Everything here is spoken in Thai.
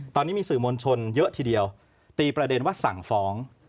ตอนนี้มีสื่อมวลชนเยอะทีเดียวตีประเด็นว่าสั่งฟ้อง